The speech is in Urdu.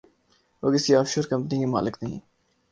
وہ کسی آف شور کمپنی کے مالک نہیں۔